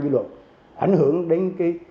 dư luận ảnh hưởng đến